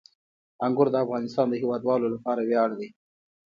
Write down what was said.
انګور د افغانستان د هیوادوالو لپاره ویاړ دی.